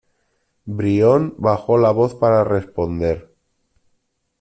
Brión bajó la voz para responder: